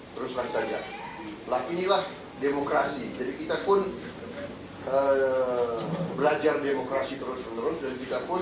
terus terang saja lah inilah demokrasi jadi kita pun belajar demokrasi terus menerus dan kita pun